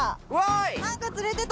何か釣れてた。